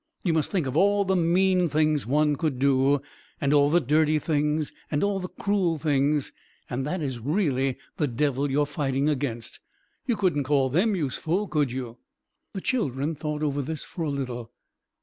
You must think of all the mean things one could do, and all the dirty things, and all the cruel things, and that is really the Devil you are fighting against. You couldn't call them useful, could you?" The children thought over this for a little.